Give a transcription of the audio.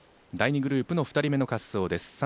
第２グループの２人目の滑走です。